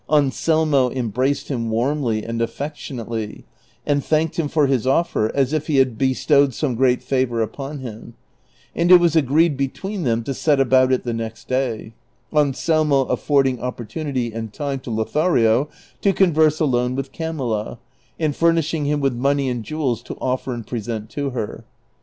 Anselmo embraced him warmly and affec tionately, and thanked him for his offer as if he had bestowed some great favor upon him ; and it was agreed between them to set about it the next day, Anselmo aftV)rding opportunity and time to Lothario to converse alone witli Camilla, and furnishing him with money and jewels to offer and present to her.